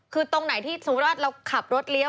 คือตรงไหนที่สมมุติว่าเราขับรถเลี้ยว